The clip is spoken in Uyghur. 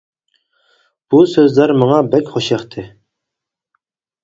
بۇ سۆزلەر ماڭا بەك خوش ياقتى.